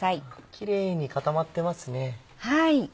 キレイに固まってますね。